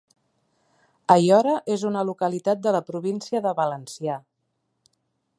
Aiora és una localitat de la província de Valencià.